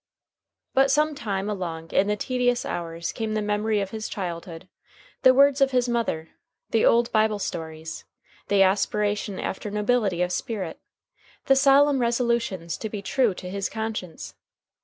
But some time along in the tedious hours came the memory of his childhood, the words of his mother, the old Bible stories, the aspiration after nobility of spirit, the solemn resolutions to be true to his conscience.